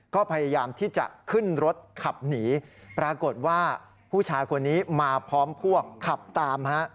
ก็พยายามที่จะขึ้นรถขับหนีปรากฏว่าผู้ชายคนนี้มาพร้อมพวกขับตามฮะ